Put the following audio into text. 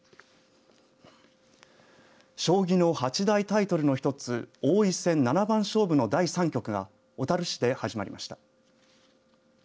将棋の八大タイトルの一つ王位戦七番勝負の第３局が小樽市で始まりました。